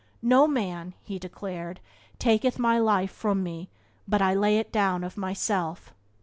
"No man," he declared, "taketh my life from me, but I lay it down of myself."